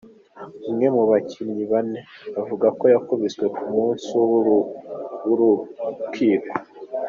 Umwe mu bakinyi bane avuga ko yakubiswe ku musi w'urukino.